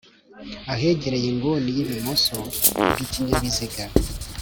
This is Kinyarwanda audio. Ahegereye inguni y’ibumoso bw’ikinyabiziga